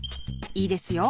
いいですよ